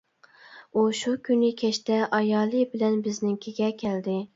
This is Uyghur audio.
ئۇ شۇ كۈنى كەچتە ئايالى بىلەن بىزنىڭكىگە كەلدى.